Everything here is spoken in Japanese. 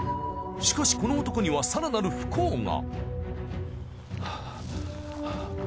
しかしこの男には更なる不幸が。